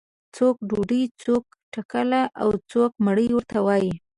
څوک ډوډۍ، څوک ټکله او څوک مړۍ ورته وایي.